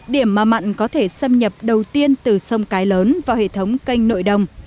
điểm mà mặn có thể xâm nhập đầu tiên từ sông cái lớn vào hệ thống canh nội đồng